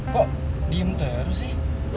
kok diem terus sih